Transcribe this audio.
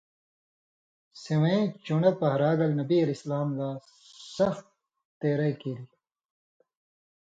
سِوَیں چُن٘ڑہ پَہرا گېل نبی علیہ السلام لا سخ تېرئ کیریۡ۔